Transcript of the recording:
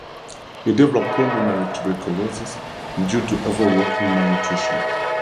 He developed pulmonary tuberculosis due to overwork and malnutrition.